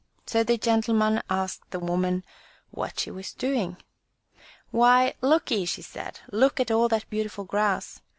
So the gentleman asked the woman what she was doing. "Why, lookye," she said, "look at all that beautiful grass.